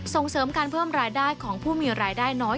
ส่งเสริมการเพิ่มรายได้ของผู้มีรายได้น้อย